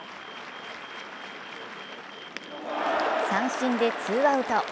三振でツーアウト。